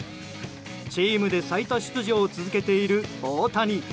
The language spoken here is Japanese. チームで最多出場を続けている大谷。